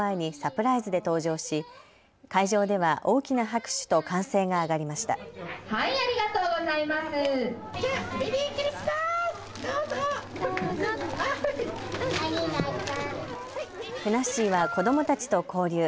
ふなっしーは子どもたちと交流。